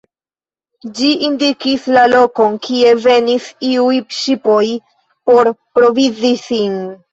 Ĝi indikis la lokon, kie venis iuj ŝipoj por provizi sin.